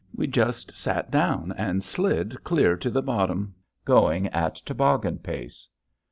We just sat down and slid clear to the bottom, going at toboggan pace.